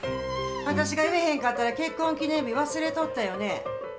私が言えへんかったら、結婚記念日、忘れとったよね？